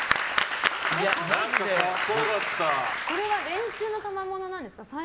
これは練習のたまものなんですか？